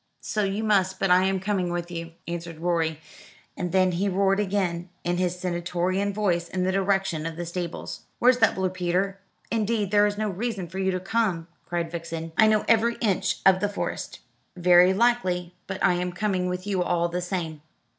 "So you must, but I am coming with you," answered Rorie; and then he roared again in his stentorian voice in the direction of the stables, "Where's that Blue Peter?" "Indeed, there is no reason for you to come," cried Vixen. "I know every inch of the Forest." "Very likely; but I am coming with you all the same."